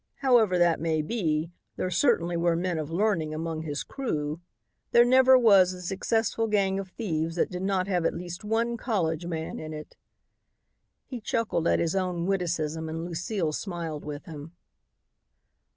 However that may be, there certainly were men of learning among his crew. There never was a successful gang of thieves that did not have at least one college man in it." He chuckled at his own witticism and Lucile smiled with him.